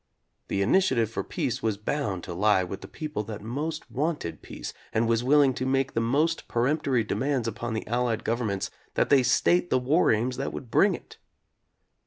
The initiative for peace was bound to lie with the people that most wanted peace and was willing to make the most peremptory demands upon the Allied governments that they state the war aims that would bring it.